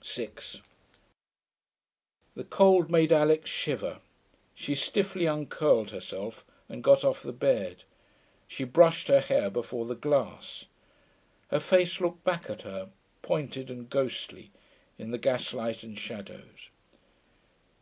6 The cold made Alix shiver. She stiffly uncurled herself and got off the bed. She brushed her hair before the glass. Her face looked back at her, pointed and ghostly, in the gaslight and shadows.